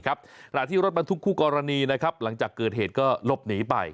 ขณะที่รถบรรทุกคู่กรณีหลังจากเกิดเหตุก็หลบหนีไป